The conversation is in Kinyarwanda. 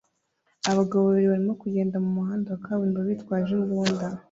Abagabo babiri barimo kugenda mu muhanda wa kaburimbo bitwaje imbunda